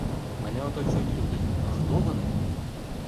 Мене оточують люди, а хто вони?